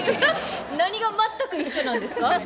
何が全く一緒なんですか？